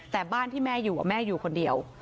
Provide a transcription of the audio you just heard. แต่บ้านที่แม่อยู่แม่อยู่คนเดียว